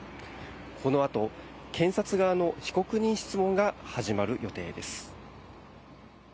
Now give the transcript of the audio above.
このあと検察側の被告人質問が始まる予定です。